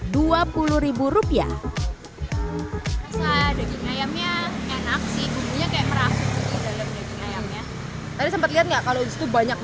d stupid a rubya segitu ngayaknya enak si sunvoc ayamnya tadi sempet lihat nggak kalau itu banyak